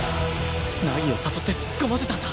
凪を誘って突っ込ませたんだ